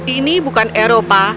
ini bukan eropa